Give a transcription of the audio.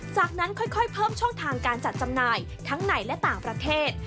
จากนั้นค่อยเพิ่มช่องทางการจัดจำหน่ายทั้งในและต่างประเทศ